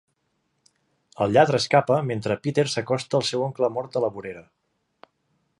El lladre escapa mentre Peter s'acosta al seu oncle mort a la vorera.